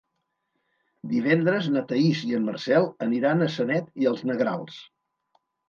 Divendres na Thaís i en Marcel aniran a Sanet i els Negrals.